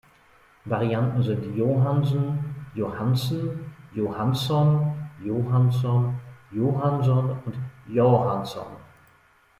Varianten sind Johansen, Johanssen, Johansson, Johanson, Johannson und Jóhannsson.